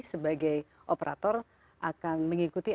sebagai operator akan mengikuti